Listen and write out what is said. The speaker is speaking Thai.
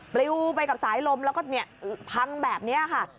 ปลิวไปกับสายลมแล้วก็พังแบบนี้ค่ะ